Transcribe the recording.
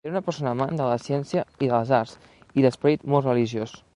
Era una persona amant de la ciència i de les arts, i d'esperit molt religiós.